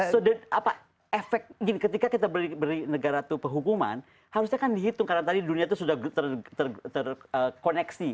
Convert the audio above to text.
so the effect ketika kita beri negara tuh penghukuman harusnya kan dihitung karena tadi dunia tuh sudah terkoneksi